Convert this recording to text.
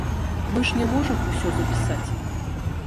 Мы ж не можам усё запісаць.